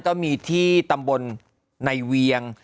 ก็มีที่ตำบลในเวียง